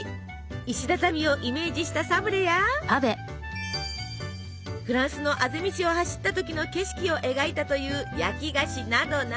石畳をイメージしたサブレやフランスのあぜ道を走った時の景色を描いたという焼き菓子などなど。